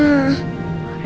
aku mau telepon mama